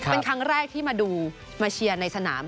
เป็นครั้งแรกที่มาดูมาเชียร์ในสนาม